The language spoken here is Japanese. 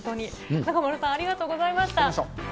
中丸さん、ありがとうございました。